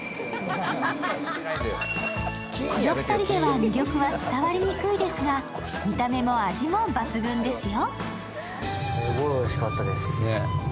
この２人では魅力は伝わりにくいですが、見た目も味も抜群ですよ。